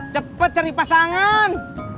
cepet cari pasangan